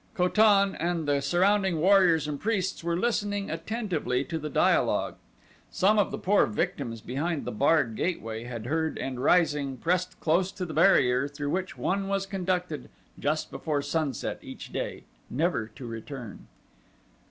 Ko tan and the surrounding warriors and priests were listening attentively to the dialogue. Some of the poor victims behind the barred gateway had heard and rising, pressed close to the barrier through which one was conducted just before sunset each day, never to return.